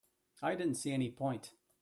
I didn't see any point.